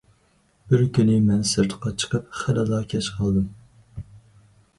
بىر كۈنى مەن سىرتقا چىقىپ خېلىلا كەچ قالدىم.